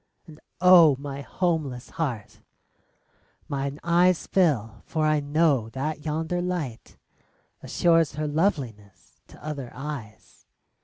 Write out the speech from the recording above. and oh, my homeless heart 1 Mine eyes fill, for I know that yonder light Assures her loveliness to other eyes.